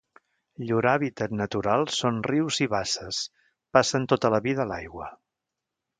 Llur hàbitat natural són rius i basses; passen tota la vida a l'aigua.